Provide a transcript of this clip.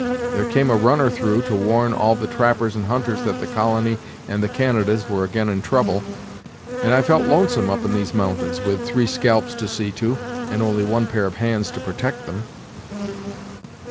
There came a runner through, to warn all the trappers and hunters that the colony and the Canadas were again in trouble; and I felt lonesome, up in these mountains, with three scalps to see to, and only one pair of hands to protect them."